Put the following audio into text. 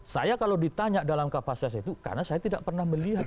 saya kalau ditanya dalam kapasitas itu karena saya tidak pernah melihat